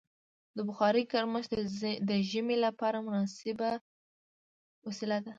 د بخارۍ ګرمښت د ژمي لپاره مناسبه وسیله ده.